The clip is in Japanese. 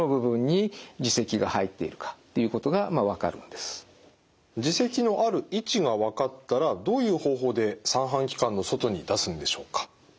でそうすると耳石のある位置が分かったらどういう方法で三半規管の外に出すんでしょうか？